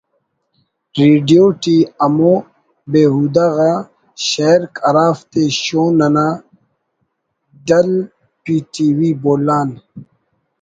radio T ہمو بے ہودہ غا شئیرک ہرافتے شون انا Dal P T V Bolan